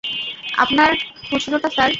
আপনার খুচরোটা, স্যার।